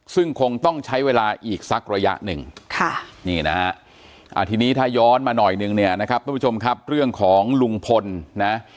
ซึ่งคงต้องใช้เวลาอีกสักระยะหนึ่งค่ะนี่นะฮะทีนี้ถ้าย้อนมาหน่อยนึงเนี่ยนะครับทุกผู้ชมครับเรื่องของลุงพลนะ